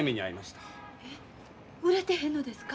えっ売れてへんのですか？